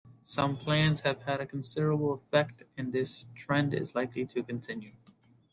Some plans have had a considerable effect, and this trend is likely to continue.